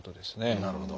なるほど。